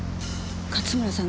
勝村さん